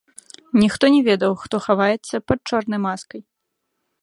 Ніхто не ведаў, хто хаваецца пад чорнай маскай.